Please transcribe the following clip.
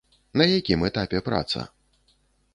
На якім этапе праца?